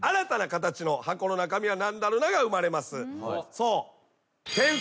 そう。